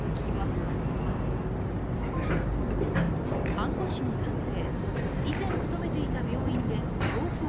看護師の男性。